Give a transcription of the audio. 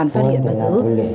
phát hiện bắt giữ